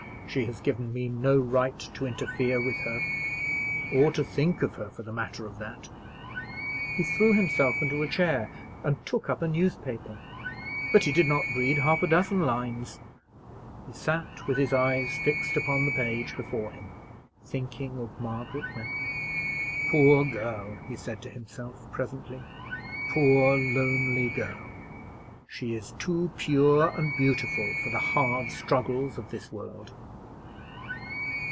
"She has given me no right to interfere with her; or to think of her, for the matter of that." He threw himself into a chair, and took up a newspaper; but he did not read half a dozen lines. He sat with his eyes fixed upon the page before him, thinking of Margaret Wentworth. "Poor girl!" he said to himself, presently; "poor lonely girl! She is too pure and beautiful for the hard struggles of this world."